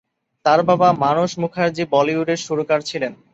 তাঁর বাবা মানস মুখার্জি বলিউডের সুরকার ছিলেন।